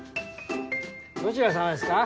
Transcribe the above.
どちらさまですか？